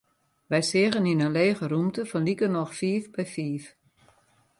Wy seagen yn in lege rûmte fan likernôch fiif by fiif.